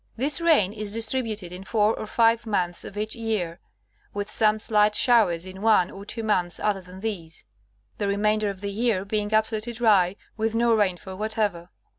This rain is distributed in four or five months of each year, with some slight showers in one or two months other than these ; the remainder of the year being absolutely dry, with no rainfall whatever.